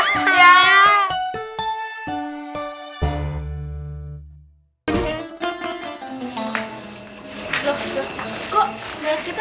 kita tak ada